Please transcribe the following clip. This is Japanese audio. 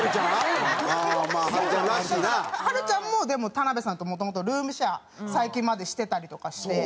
はるちゃんもでも田辺さんともともとルームシェア最近までしてたりとかして。